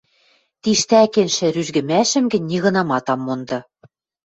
Тиштӓкеншӹ рӱжгӹмӓшӹм гӹнь нигынамат ам монды.